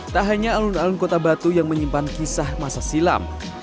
tak hanya alun alun kota batu yang menyimpan kisah masa silam